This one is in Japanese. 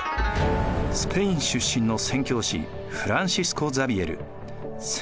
スペイン出身の宣教師フランシスコ・ザビエル。